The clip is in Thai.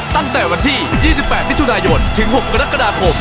ตั้งแต่วันที่๒๘มิถุนายนถึง๖กรกฎาคม